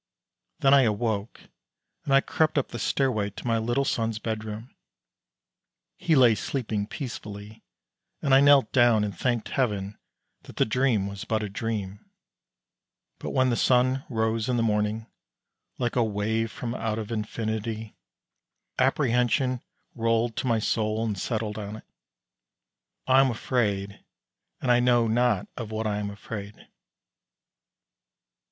Then I awoke, and I crept up the stairway way to my little son's bedroom. He lay sleeping peacefully. And I knelt down and thanked Heaven that the dream was but a dream; but when the sun rose in the morning, like a wave from out of infinity, apprehension rolled to my soul and settled on it. I am afraid, and I know not of what I am afraid.